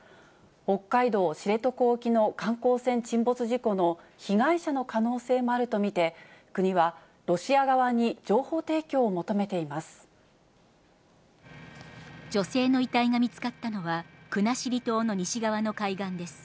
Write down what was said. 北海道知床沖の観光船沈没事故の被害者の可能性もあると見て、国はロシア側に情報提供を求めています。